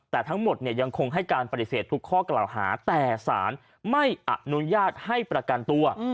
แต่ทั้งหมดเนี่ยยังคงให้การปฏิเสธทุกข้อกล่าวหาแต่สารไม่อนุญาตให้ประกันตัว